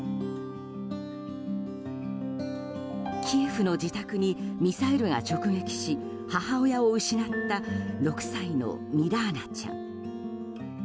キエフの自宅にミサイルが直撃し母親を失った６歳のミラーナちゃん。